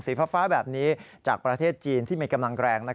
ฟ้าแบบนี้จากประเทศจีนที่มีกำลังแรง